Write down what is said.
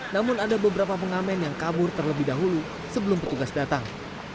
namun ada beberapa pengamen yang kabur terlebih dahulu sebelum petugas datang